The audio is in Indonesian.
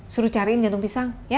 suruh cariin jantung pisang